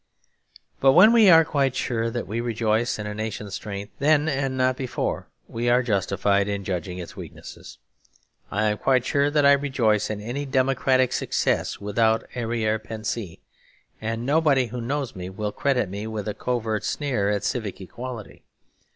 But when we are quite sure that we rejoice in a nation's strength, then and not before we are justified in judging its weakness. I am quite sure that I rejoice in any democratic success without arrière pensée; and nobody who knows me will credit me with a covert sneer at civic equality.